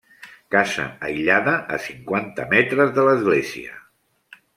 Casa aïllada a cinquanta metres de l'església.